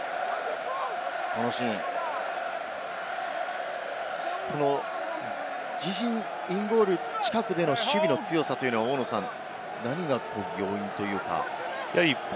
このシーン、自陣インボール近くでの守備の強さは何が要因というか。